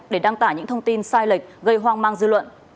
để đăng tải những thông tin sai lệch gây hoang mang dư luận